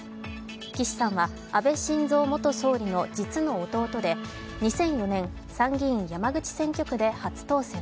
岸さんは安倍晋三元総理の実の弟で、２００４年参議院山口選挙区で初当選。